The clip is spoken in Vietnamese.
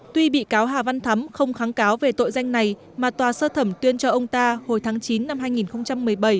tuy bị cáo hà văn thắm không kháng cáo về tội danh này mà tòa sơ thẩm tuyên cho ông ta hồi tháng chín năm hai nghìn một mươi bảy